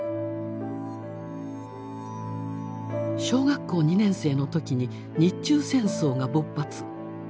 小学校２年生の時に日中戦争が勃発。